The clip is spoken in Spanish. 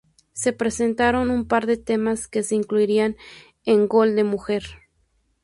Se presentaron un par de temas que se incluirían en Gol de mujer.